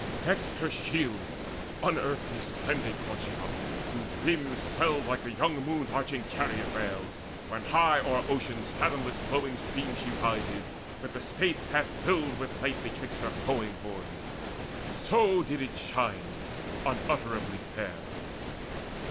Next, her shield Unearthly splendid, caught she up, whose rim Swelled like the young moon's arching chariot rail When high o'er Ocean's fathomless flowing stream She rises, with the space half filled with light Betwixt her bowing horns. So did it shine Unutterably fair.